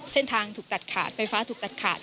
เส้นทางถูกตัดขาดไฟฟ้าถูกตัดขาด